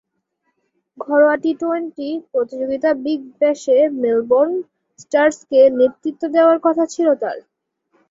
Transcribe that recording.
ঘরোয়া টি-টোয়েন্টি প্রতিযোগিতা বিগ ব্যাশে মেলবোর্ন স্টারসকে নেতৃত্ব দেওয়ার কথা ছিল তাঁর।